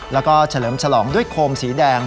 แล้วก็เฉลิมฉลองด้วยโคมสีแดง